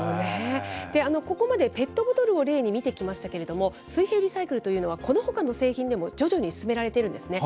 ここまでペットボトルを例に見てきましたけれども、水平リサイクルというのは、このほかの製品でも徐々に進められているんですね。